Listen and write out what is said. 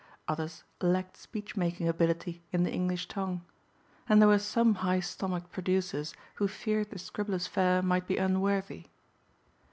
Others lacked speech making ability in the English tongue. And there were some high stomached producers who feared the Scribblers' fare might be unworthy.